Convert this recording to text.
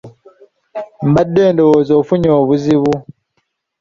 Mbadde ndowooza ofunye obuzibu .